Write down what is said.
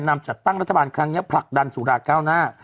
จัดตั้งรัฐบาลครั้งนี้ผลักดันสุราเก้าหน้า